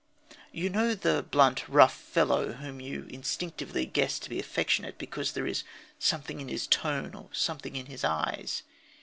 You know the blunt, rough fellow whom you instinctively guess to be affectionate because there is "something in his tone" or "something in his eyes."